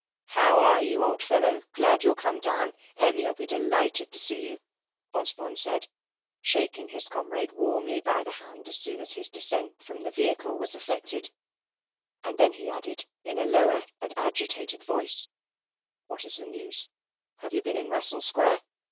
"How are you, old fellow? Glad you're come down. Emmy'll be delighted to see you," Osborne said, shaking his comrade warmly by the hand as soon as his descent from the vehicle was effected and then he added, in a lower and agitated voice, "What's the news? Have you been in Russell Square?